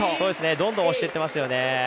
どんどん押していってますよね。